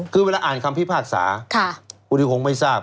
คือเวลาอ่านคำพิพากษาคุณิคงไม่ทราบ